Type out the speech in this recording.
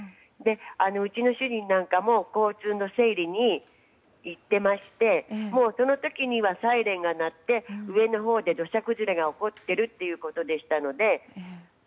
うちの主人なんかも交通の整理に行ってましてもう、その時にはサイレンが鳴って上のほうで土砂崩れが起こっているということでしたので。